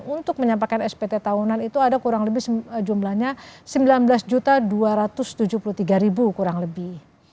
untuk menyampaikan spt tahunan itu ada kurang lebih jumlahnya sembilan belas dua ratus tujuh puluh tiga kurang lebih